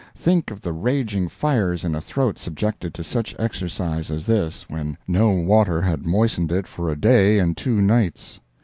Think of the raging fires in a throat subjected to such exercise as this, when no water had moistened it for a day and two nights!